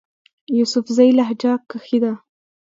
يوسفزئ لهجه کښې ده